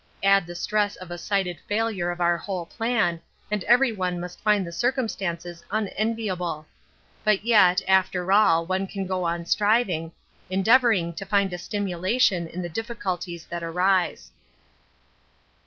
Add the stress of sighted failure of our whole plan, and anyone must find the circumstances unenviable. But yet, after all, one can go on striving, endeavouring to find a stimulation in the difficulties that arise.